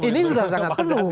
ini sudah sangat penuh